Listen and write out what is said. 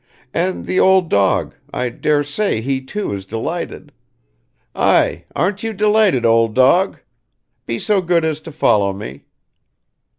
And the old dog, I dare say he too is delighted. Ay, aren't you delighted, old dog? Be so good as to follow me."